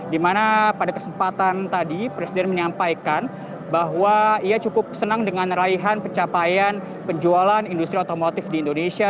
dimana pada kesempatan tadi presiden menyampaikan bahwa ia cukup senang dengan raihan pencapaian penjualan industri otomotif di indonesia